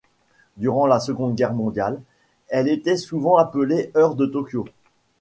Durant la Seconde Guerre mondiale, elle était souvent appelée Heure de Tokyo.